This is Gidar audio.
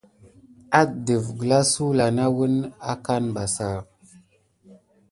Adef gəlva sulà nà wune akane ɓa.